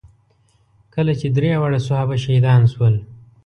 کله چې درې واړه صحابه شهیدان شول.